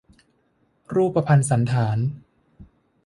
รูปพรรณสัณฐาน